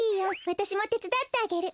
わたしもてつだってあげる。